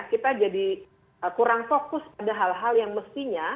kita jadi kurang fokus pada hal hal yang mestinya